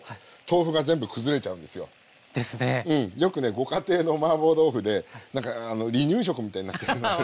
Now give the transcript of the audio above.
よくねご家庭のマーボー豆腐で何かあの離乳食みたいになってるのがある。